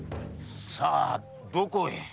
さあてどこへ？